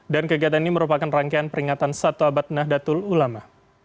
dan kegiatan ini merupakan rangkaian peringatan satu abad nahdlatul ulama